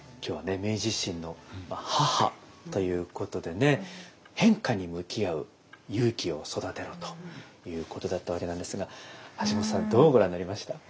明治維新の母ということでね変化に向き合う勇気を育てろということだったわけなんですが橋本さんどうご覧になりました？